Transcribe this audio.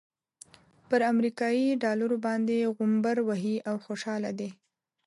پر امريکايي ډالرو باندې غومبر وهي او خوشحاله دی.